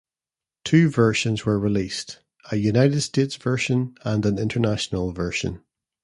Two versions were released-a United States version and an international version.